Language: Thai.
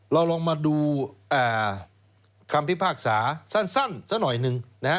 เราลองมาดูคำพิพากษาสั้นซะหน่อยหนึ่งนะฮะ